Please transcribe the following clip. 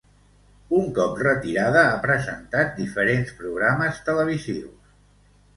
Un cop retirada, ha presentat diferents programes televisius.